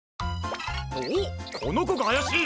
おっこのこがあやしい！